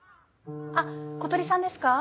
あっ小鳥さんですか？